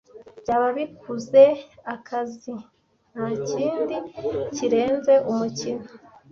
byaba bikuze akazi ntakindi kirenze umukino